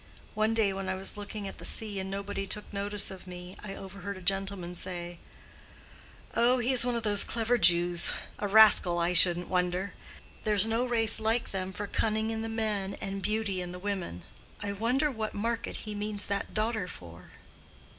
One day, when I was looking at the sea and nobody took notice of me, I overheard a gentleman say, 'Oh, he is one of those clever Jews—a rascal, I shouldn't wonder. There's no race like them for cunning in the men and beauty in the women. I wonder what market he means that daughter for.